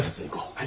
はい。